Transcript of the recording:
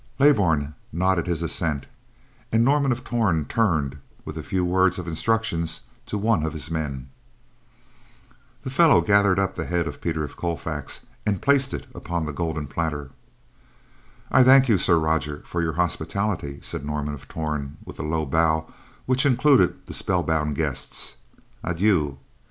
Leybourn nodded his assent, and Norman of Torn turned, with a few words of instructions, to one of his men. The fellow gathered up the head of Peter of Colfax, and placed it upon the golden platter. "I thank you, Sir Roger, for your hospitality," said Norman of Torn, with a low bow which included the spellbound guests. "Adieu."